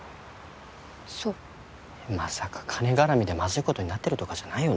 そうまさか金がらみでまずいことになってるとかじゃないよな？